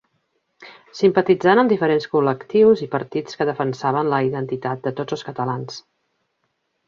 Simpatitzant amb diferents col·lectius i partits que defensaven la identitat de tots els catalans.